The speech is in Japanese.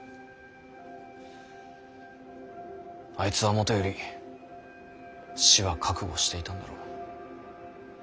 あいつはもとより死は覚悟していたんだろう。